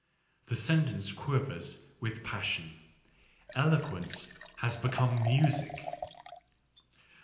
The sentence quivers with passion. Eloquence has become music.